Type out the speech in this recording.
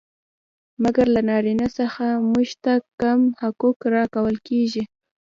مګر له نارينه څخه موږ ته کم حقوق را کول کيږي.